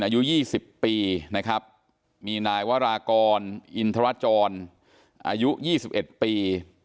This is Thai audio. อายุ๒๐ปีนะครับมีนายวรากรอินทรจรอายุ๒๑ปี